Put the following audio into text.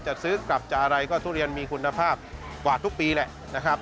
จะซื้อกลับจากอะไรก็ทุเรียนมีคุณภาพกว่าทุกปีแหละนะครับ